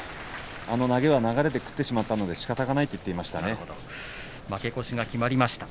あの投げは流れで食ってしまったのでしかたがないと負け越しが決まりました。